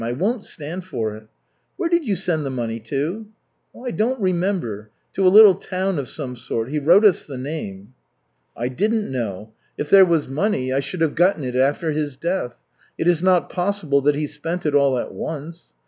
I won't stand for it. Where did you send the money to?" "I don't remember. To a little town of some sort. He wrote us the name." "I didn't know. If there was money, I should have gotten it after his death. It is not possible that he spent it all at once.